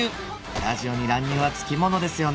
ラジオに乱入は付きものですよね